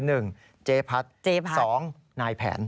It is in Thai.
หนึ่งเจ๊พัดสองนายแผน